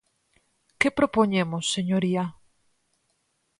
¿Que propoñemos, señoría?